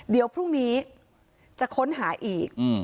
เดี๋ยวพรุ่งนี้จะค้นหาอีก